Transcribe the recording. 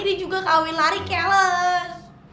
dia juga kawin lari keles